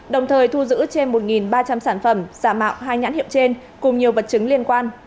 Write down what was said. đồng thời thu giữ trên một ba trăm linh sản phẩm giả mạo hai nhãn hiệu trên cùng nhiều vật chứng liên quan